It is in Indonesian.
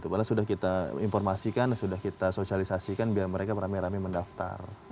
bahkan sudah kita informasikan sudah kita sosialisasikan biar mereka merami rami mendaftar